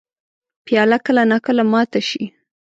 پیاله کله نا کله ماته شي.